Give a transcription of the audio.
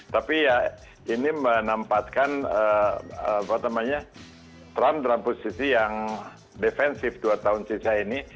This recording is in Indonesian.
tapi ya ini menempatkan trump dalam posisi yang defensif dua tahun sisa ini